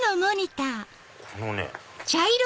このね。